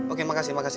oke makasih makasih